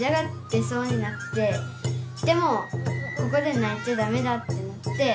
でもここで泣いちゃダメだって思って。